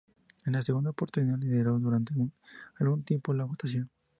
En la segunda oportunidad, lideró durante algún tiempo la votación.